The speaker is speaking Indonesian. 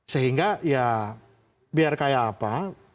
sehingga ya biar kayak apa